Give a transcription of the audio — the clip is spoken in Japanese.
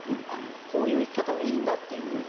こういう生き方もいいんだっていうふうに。